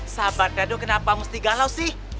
sahabat dado kenapa mesti galau sih